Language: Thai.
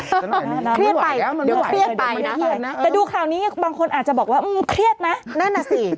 ต้นหน่อยหนึ่งไม่ไหวแล้วมันไม่ไหวนะครับแต่ดูคราวนี้บางคนอาจจะบอกว่าอืมเครียดนะนั่นน่ะสิ